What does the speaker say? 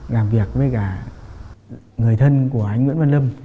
làm việc với cả người thân của anh nguyễn văn lâm